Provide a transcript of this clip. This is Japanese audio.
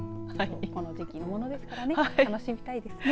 この時期見ものですからね楽しみたいですね。